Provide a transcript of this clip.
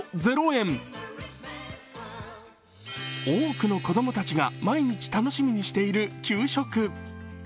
多くの子供たちが毎日楽しみにしている給食。